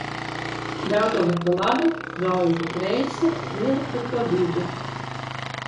Daugava pa labi, Gauja pa kreisi, Lielupe pa vidu.